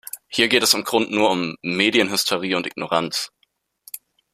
Hier geht es im Grund nur um Medienhysterie und Ignoranz.